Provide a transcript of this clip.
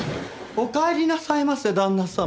おかえりなさいませ旦那様。